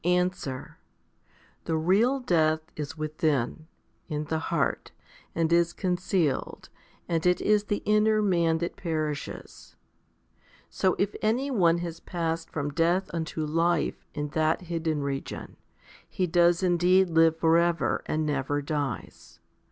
Answer. The real death is within, in the heart, and is concealed, and it is the inner man that perishes. So if any one has passed from death unto life 3 in that hidden region, he does indeed live for ever, and never dies.